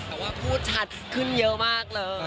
แต่ว่าพูดชัดขึ้นเยอะมากเลย